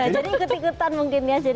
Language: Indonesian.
jadi ikut ikutan mungkin ya